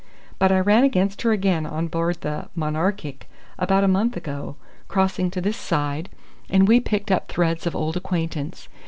But I ran against her again on board the Monarchic about a month ago, crossing to this side, and we picked up threads of old acquaintance.